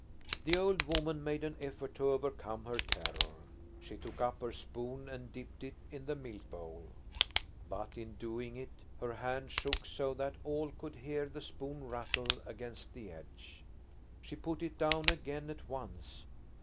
The old woman made an effort to overcome her terror. She took up her spoon and dipped it in the milk bowl, but in doing it her hand shook so that all could hear the spoon rattle against the edge. She put it down again at once.